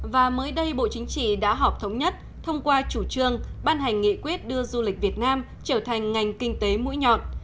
và mới đây bộ chính trị đã họp thống nhất thông qua chủ trương ban hành nghị quyết đưa du lịch việt nam trở thành ngành kinh tế mũi nhọn